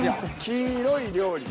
黄色い料理。